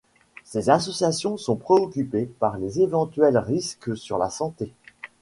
Ces associations sont préoccupées par les éventuels risques sur la santé.